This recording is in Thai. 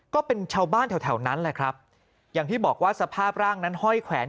ก็เป็นชาวบ้านแถวนั้นเลยครับอย่างที่บอกว่าสภาพร่างนั้น